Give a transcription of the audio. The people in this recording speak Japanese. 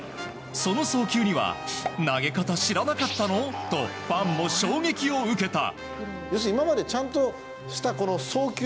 その送球には投げ方知らなかったの？とファンも衝撃を受けた。